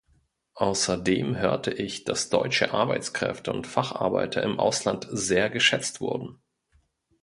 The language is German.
Außerdem hörte ich, dass deutsche Arbeitskräfte und Facharbeiter im Ausland sehr geschätzt wurden.